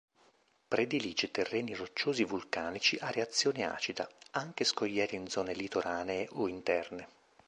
Predilige terreni rocciosi vulcanici a reazione acida, anche scogliere in zone litoranee o interne.